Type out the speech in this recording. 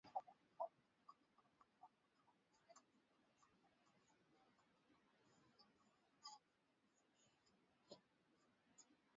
Si ajabu tena kusikia neno Uchumi wa Buluu visiwani hapa